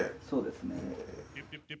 そうですね。